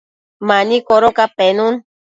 mani codoca penun